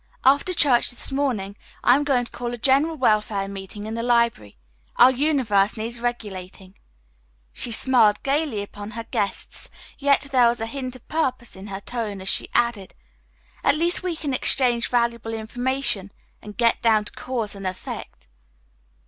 After church this morning I am going to call a general welfare meeting in the library. Our universe needs regulating." She smiled gayly upon her guests, yet there was a hint of purpose in her tone as she added: "At least we can exchange valuable information and get down to cause and effect."